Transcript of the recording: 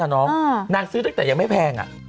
นางซื้อตั้งแต่ยังไม่แพง